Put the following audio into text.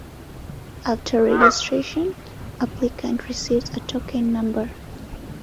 After registration, applicant receives a token number.